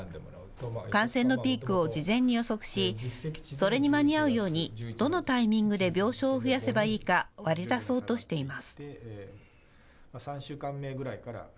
感染のピークを事前に予測し、それに間に合うようにどのタイミングで病床を増やせばいいか割り出そうとしています。